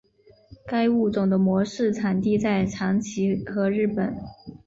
该物种的模式产地在长崎和日本。